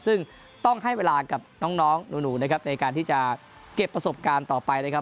ซึ่งต้องให้เวลากับน้องหนูนะครับในการที่จะเก็บประสบการณ์ต่อไปนะครับ